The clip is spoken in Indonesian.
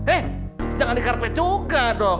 eh jangan di karpet juga dong